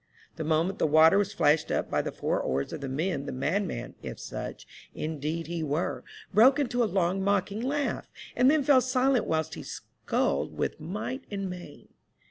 The moment the water was flashed up by the four oars of the men the madman, if such, indeed, he were, broke into a long mocking laugh, and then fell silent whilst he sculled with might and main.